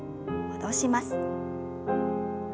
戻します。